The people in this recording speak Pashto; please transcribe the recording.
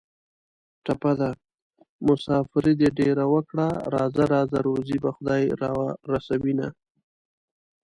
ټپه ده: مسافري دې ډېره وکړه راځه راځه روزي به خدای را رسوینه